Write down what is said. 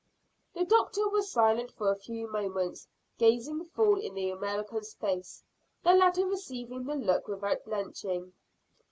The doctor was silent for a few moments, gazing full in the American's face, the latter receiving the look without blenching.